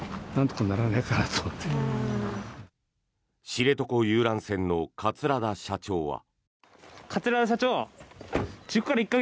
知床遊覧船の桂田社長は。